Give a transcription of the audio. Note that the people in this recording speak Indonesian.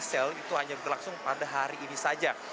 transmart full day sale itu hanya berlangsung pada hari ini saja